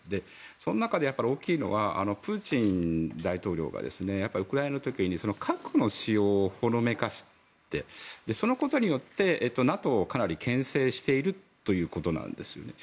その中で大きいのはプーチン大統領がウクライナの時に核の使用をほのめかしてそのことによってＮＡＴＯをかなりけん制しているということなんです。